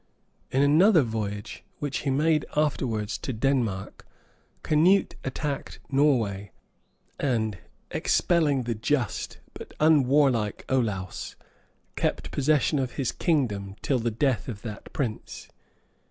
{1028.} In another voyage, which he made afterwards to Denmark, Canute attacked Norway, and expelling the just but unwarlike Olaus, kept possession of his kingdom till the death of that prince.